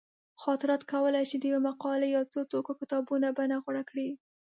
خاطرات کولی شي د یوې مقالې یا څو ټوکه کتابونو بڼه غوره کړي.